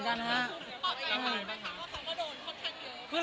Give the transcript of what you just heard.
นั่นคือฮะ